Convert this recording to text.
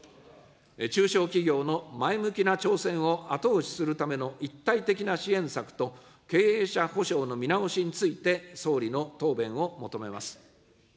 中小企業の前向きな挑戦を後押しするための一体的な支援策と、経営者保証の見直しについて、総理の答弁を求めます。